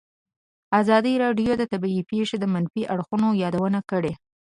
ازادي راډیو د طبیعي پېښې د منفي اړخونو یادونه کړې.